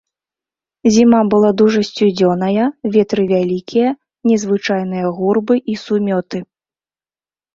Зіма была дужа сцюдзёная, ветры вялікія, незвычайныя гурбы і сумёты.